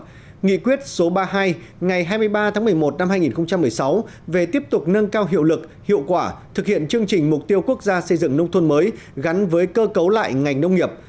trong đó nghị quyết số ba mươi hai ngày hai mươi ba tháng một mươi một năm hai nghìn một mươi sáu về tiếp tục nâng cao hiệu lực hiệu quả thực hiện chương trình mục tiêu quốc gia xây dựng nông thôn mới gắn với cơ cấu lại ngành nông nghiệp